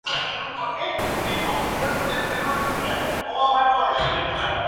Siendo muy pequeño se trasladó con su familia a Gandía.